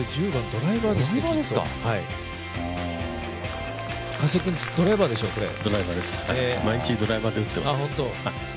ドライバーです、毎日ドライバーで打ってます。